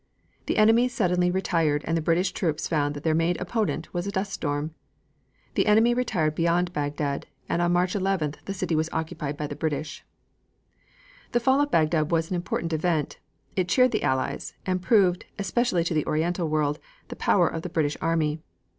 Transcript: The enemy suddenly retired and the British troops found that their main opponent was a dust storm. The enemy retired beyond Bagdad, and on March 11th the city was occupied by the English. The fall of Bagdad was an important event. It cheered the Allies, and proved, especially to the Oriental world, the power of the British army.